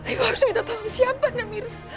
ibu harus minta tolong siapa nailah mirza